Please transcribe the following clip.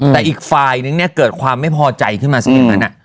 แต่อีกฝ่ายหนึ่งเนี้ยเกิดความไม่พอใจขึ้นมาใส่มันอะ